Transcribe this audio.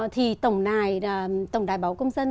thì tổng đài bảo hộ công dân